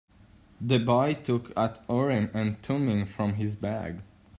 The boy took out Urim and Thummim from his bag.